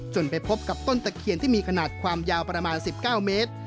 ไปพบกับต้นตะเคียนที่มีขนาดความยาวประมาณ๑๙เมตร